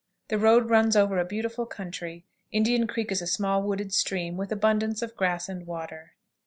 The road runs over a beautiful country. Indian Creek is a small wooded stream, with abundance of grass and water.